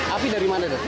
api dari mana